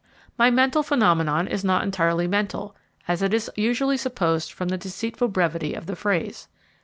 My mental phenomenon is not entirely mental, as is usually supposed from the deceitful brevity of the phrase.